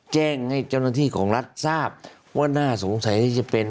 แจ้งให้เจ้าหน้าที่ของรัฐทราบว่าน่าสงสัยที่จะเป็น